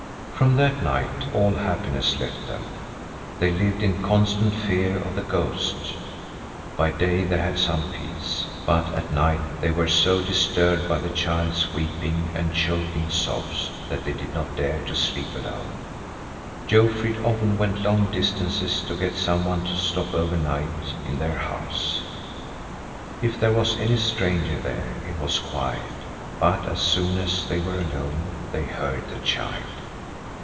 From that night all happiness left them. They lived in constant fear of the ghost. By day they had some peace, but at night they were so disturbed by the child's weeping and choking sobs, that they did not dare to sleep alone. Jofrid often went long distances to get some one to stop over night in their house. If there was any stranger there, it was quiet, but as soon as they were alone, they heard the child.